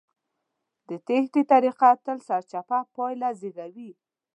د نښتې طريقه تل سرچپه پايله زېږوي.